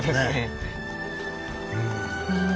うん。